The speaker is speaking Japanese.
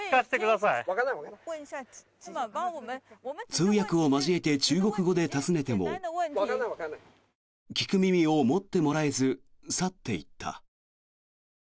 通訳を交えて中国語で尋ねても聞く耳を持ってもらえず去っていった。